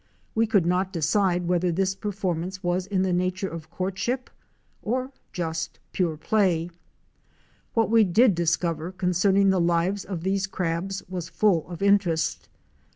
We could not decide whether this perform ance was in the nature of courtship or just pure play. What we did discover concerning the lives of these crabs was full of interest.